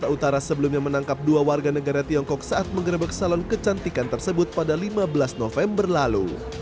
jakarta utara sebelumnya menangkap dua warga negara tiongkok saat mengerebek salon kecantikan tersebut pada lima belas november lalu